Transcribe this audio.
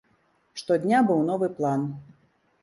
Штодня быў новы план.